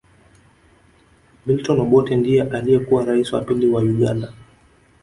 Milton Obote ndiye aliyekuwa raisi wa pili wa Uganda